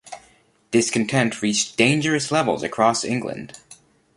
Discontent reached dangerous levels across England.